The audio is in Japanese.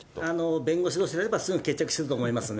弁護士どうしであればすぐ決着すると思いますね。